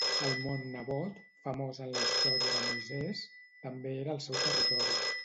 El mont Nebot, famós en la història de Moisès, també era al seu territori.